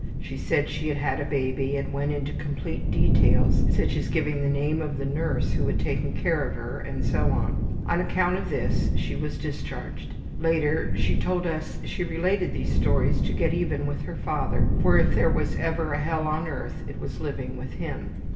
She said she had had a baby and went into complete details, such as giving the name of the nurse who had taken care of her, and so on. On account of this she was discharged. Later she told us she related these stories to get even with her father, for if there was ever a hell on earth it was living with him.